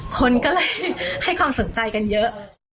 คนก็เลยให้ความสนใจกันเยอะ